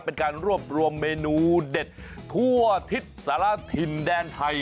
เป็นการรวบรวมเมนูเด็ดทั่วทิศสารถิ่นแดนไทย